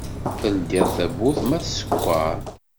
Teldiḍ tawwurt ma tsekker.